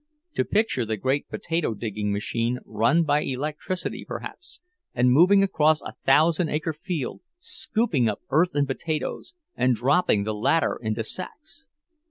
To picture the great potato digging machine, run by electricity, perhaps, and moving across a thousand acre field, scooping up earth and potatoes, and dropping the latter into sacks!